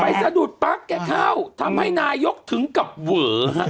สะดุดปั๊กแกเข้าทำให้นายกถึงกับเวอฮะ